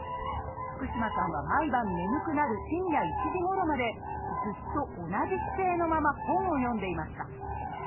福嶋さんは毎晩眠くなる深夜１時ごろまでずっと同じ姿勢のまま本を読んでいました。